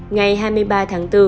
ngày hai mươi ba tháng bốn